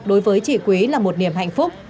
đối với chị quý là một niềm hạnh phúc